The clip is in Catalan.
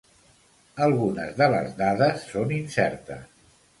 Algunes de les dades són incertes.